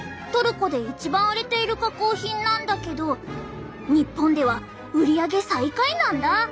トルコで一番売れている加工品なんだけど日本では売り上げ最下位なんだ。